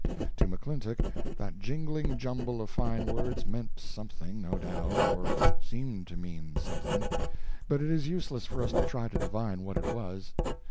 To McClintock that jingling jumble of fine words meant something, no doubt, or seemed to mean something; but it is useless for us to try to divine what it was.